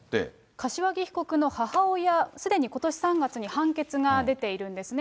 柏木被告の母親、すでにことし３月に判決が出ているんですね。